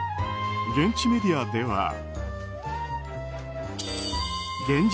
現地メディアでは。